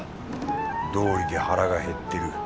どおりで腹が減ってる。